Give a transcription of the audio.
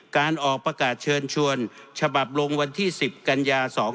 การออกประกาศเชิญชวนฉบับลงวันที่๑๐กันยา๒๕๖